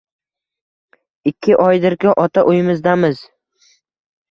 Ikki oydirki, ota uyimizdamiz